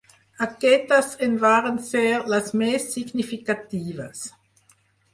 Aquestes en varen ser les més significatives.